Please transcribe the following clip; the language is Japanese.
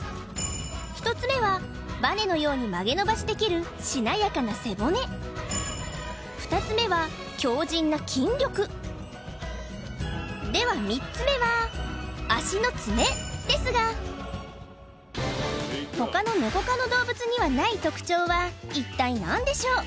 １つ目はバネのように曲げ伸ばしできるしなやかな背骨２つ目は強じんな筋力では３つ目は足の爪ですが他のネコ科の動物にはない特徴は一体何でしょう？